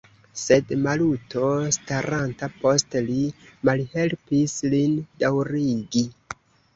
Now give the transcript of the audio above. Sed Maluto, staranta post li, malhelpis lin daŭrigi.